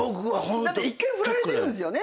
だって１回フラれてるんですよね？